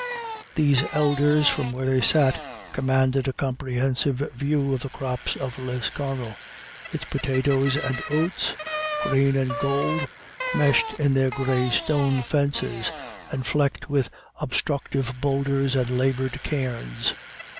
These elders, from where they sat, commanded a comprehensive view of the crops of Lisconnel, its potatoes and oats, green and gold, meshed in their grey stone fences, and flecked with obstructive boulders and laboured cairns.